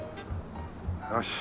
よし。